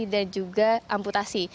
dan juga amputasi